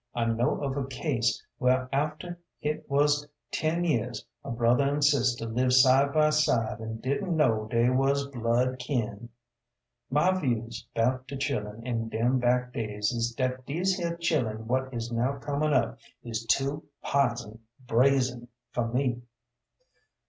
I know of a case whar after hit wuz ten years a brother an' sister lived side by side an' didn't know dey wuz blood kin. My views 'bout de chillun in dem bac' days is dat dese here chillun what is now comin' up is too pizen brazen fer me.